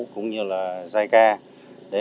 cũng như là xã hội